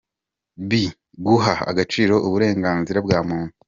B. Guha agaciro uburenganzira bwa muntu: